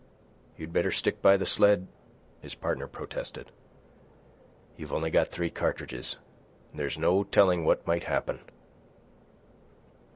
"You'd better stick by the sled," his partner protested. "You've only got three cartridges, an' there's no tellin' what might happen."